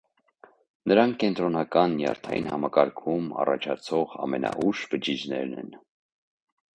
Նրանք կենտրոնական նյարդային համակարգում առաջացող ամենաուշ բջիջներն են։